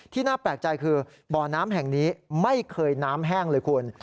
น่าแปลกใจคือบ่อน้ำแห่งนี้ไม่เคยน้ำแห้งเลยคุณ